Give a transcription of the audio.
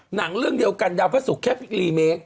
หนังเรื่องเดียวกันดาวพระศุกร์แค่รีเมค